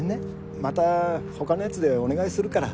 また他のやつでお願いするから。